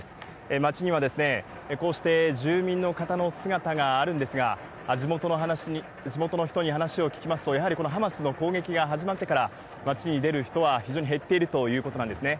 町にはこうして住民の方の姿があるんですが、地元の人に話を聞きますと、やはりこのハマスの攻撃が始まってから、町に出る人は非常に減っているということなんですね。